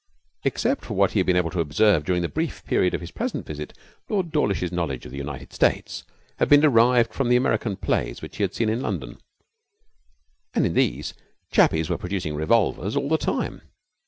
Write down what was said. Except for what he had been able to observe during the brief period of his present visit, Lord Dawlish's knowledge of the United States had been derived from the American plays which he had seen in London, and in these chappies were producing revolvers all the time.